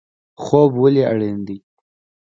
خوب ولې اړین دی؟